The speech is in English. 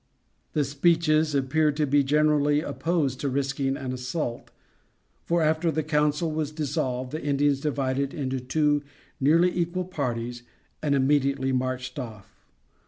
The speeches appeared to be generally opposed to risking an assault; for, after the council was dissolved, the Indians divided into two nearly equal parties and immediately marched off.